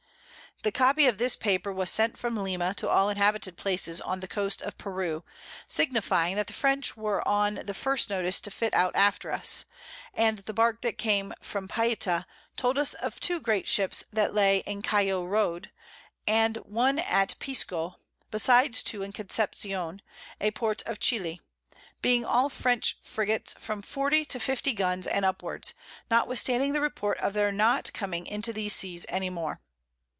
The Copy of this Paper was sent from Lima to all inhabited Places on the Coast of Peru, signifying, that the French were on the first notice to fit out after us; and the Bark that came from Paita told us of two great Ships that lay in Callo Road, and one at Pisco, besides two in Conception, a Port of Chili; being all French Frigats from 40 to 50 Guns and upwards, notwithstanding the Report of their not coming into these Seas any more.